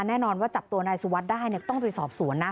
แน่นอนว่าจับตัวนายสุวัสดิ์ได้ต้องไปสอบสวนนะ